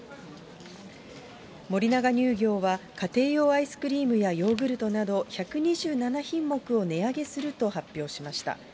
森永乳業は、家庭用アイスクリームやヨーグルトなど１２７品目を値上げすると発表しました。